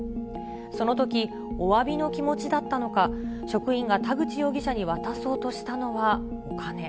そのとき、おわびの気持ちだったのか、職員が田口容疑者に渡そうとしたのはお金。